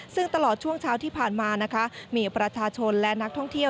ซึ่งตลอดช่วงเช้าที่ผ่านมานะคะมีประชาชนและนักท่องเที่ยว